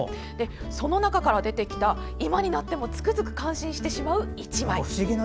その中から出てきた今になってもつくづく感心してしまう１枚。